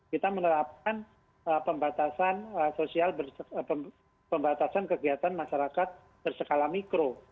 kita menerapkan pembatasan sosial pembatasan kegiatan masyarakat berskala mikro